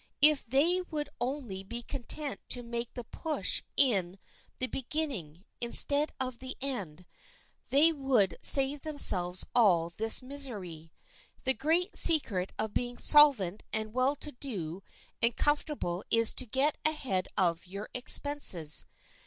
If they would only be content to make the push in the beginning, instead of the end, they would save themselves all this misery. The great secret of being solvent and well to do and comfortable is to get ahead of your expenses.